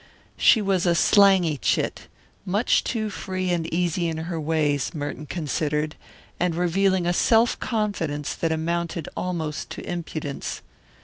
She was a slangy chit, much too free and easy in her ways, Merton considered, and revealing a self confidence that amounted almost to impudence.